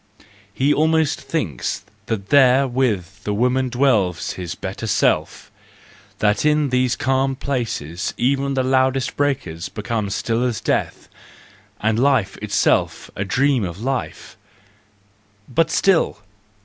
He almost thinks that there with the women dwells his better self; that in these calm places even the loudest breakers become still as death, and life itself a dream of life. But still!